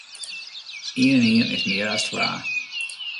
Ien en ien is mear as twa.